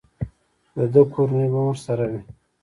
د ده کورنۍ به هم ورسره وي.